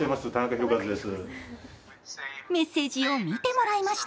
メッセージを見てもらいました。